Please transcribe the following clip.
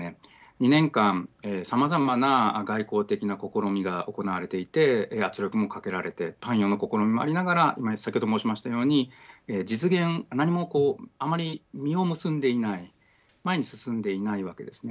２年間さまざまな外交的な試みが行われていて圧力もかけられて関与の試みもありながら先ほども申し上げましたように実現、何もこうあまり実を結んでいない前に進んでいないわけですね。